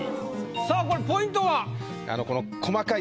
さぁこれポイントは？